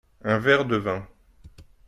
un verre de vin.